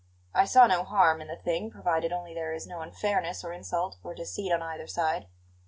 I saw no harm in the thing, provided only there is no unfairness or insult or deceit on either side.